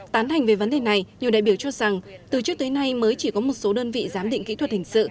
tán thành về vấn đề này nhiều đại biểu cho rằng từ trước tới nay mới chỉ có một số đơn vị giám định kỹ thuật hình sự